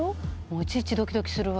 いちいちドキドキするわ。